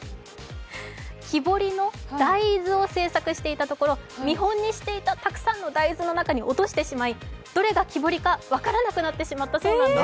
木彫りの大豆を制作していたところ見本にしていたたくさんの大豆の中に落としてしまいどれが木彫りか分からなくなってしまったそうです。